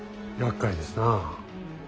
やっかいですな。